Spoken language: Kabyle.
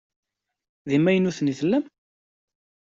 D imaynuten i tellam?